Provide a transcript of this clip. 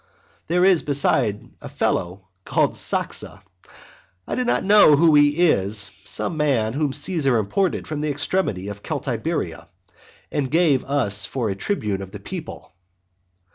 There is besides a fellow called Saxa; I don't know who he is, some man whom Caesar imported from the extremity of Celtiberia and gave us for a tribune of the people.